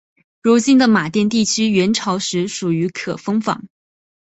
如今的马甸地区元朝时属于可封坊。